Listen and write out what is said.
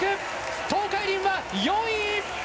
東海林は４位！